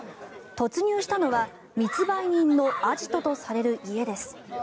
突入したのは密売人のアジトとされる家です。